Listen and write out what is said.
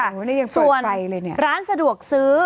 โอ้โฮนี่ยังเปิดไฟเลยนี่ส่วนร้านสะดวกซื้อ